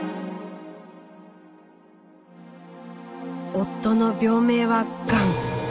夫の病名はがん。